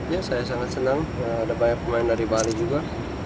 ya saya sangat senang ada banyak pemain dari bali juga